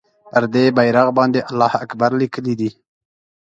پر دې بېرغ باندې الله اکبر لیکلی دی.